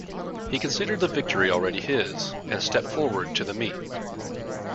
He considered the victory already his and stepped forward to the meat.